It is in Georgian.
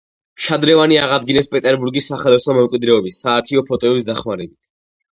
შადრევანი აღადგინეს პეტერბურგის სახელოსნო „მემკვიდრეობის“ საარქივო ფოტოების დახმარებით.